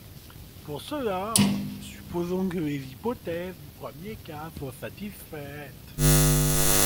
Pour cela supposons que les hypothèses du premier cas soient satisfaites.